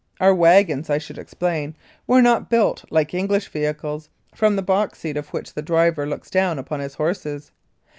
Our wagons, I should explain, were not built like Eng lish vehicles, from the box seat of which the driver looks down upon his horses.